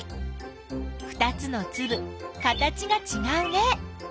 ふたつのつぶ形がちがうね。